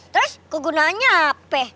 terus kegunaannya apa